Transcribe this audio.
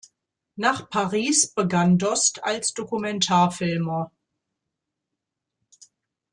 Nach Paris begann Dost als Dokumentarfilmer.